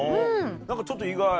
何かちょっと意外。